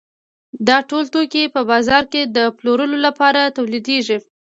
دا ټول توکي په بازار کې د پلورلو لپاره تولیدېږي